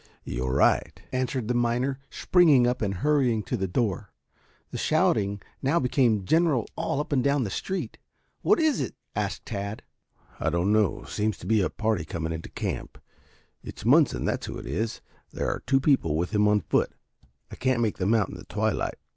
"You're right," answered the miner, springing up and hurrying to the door. The shouting now became general all up and down the street. "What is it?" asked Tad. "I don't know. Seems to be a party coming into the camp. It's Munson, that's who it is. There are two people with him on foot. I can't make them out in the twilight.